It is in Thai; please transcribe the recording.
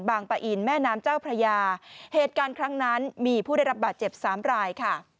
ปะอินแม่น้ำเจ้าพระยาเหตุการณ์ครั้งนั้นมีผู้ได้รับบาดเจ็บสามรายค่ะ